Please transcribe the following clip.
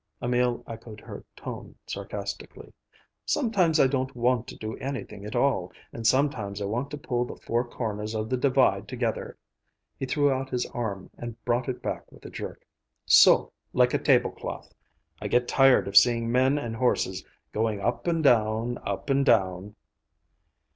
Emil echoed her tone sarcastically. "Sometimes I don't want to do anything at all, and sometimes I want to pull the four corners of the Divide together,"—he threw out his arm and brought it back with a jerk,—"so, like a table cloth. I get tired of seeing men and horses going up and down, up and down."